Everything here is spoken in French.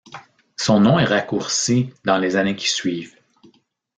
Son nom est raccourci dans les années qui suivent.